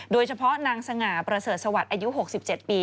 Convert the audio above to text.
โดยเฉพาะนางสง่าประเสริฐสวัสดิ์อายุ๖๗ปี